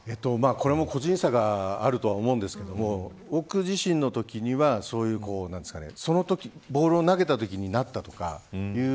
これも個人差があると思いますが僕自身のときにはボールを投げたときになったとかいう